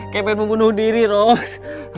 kemenmu bunuh diri ros